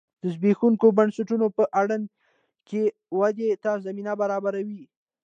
د زبېښونکو بنسټونو په اډانه کې ودې ته زمینه برابروي